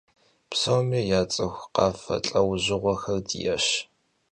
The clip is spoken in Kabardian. Psomi yats'ıxu khafe lh'eujığuexer di'eş.